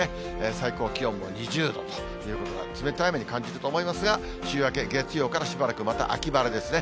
最高気温も２０度とということで、冷たい雨に感じると思いますが、週明け月曜からしばらく、また秋晴れですね。